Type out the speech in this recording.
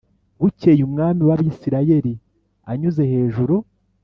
Bukeye umwami w abisirayeli anyuze hejuru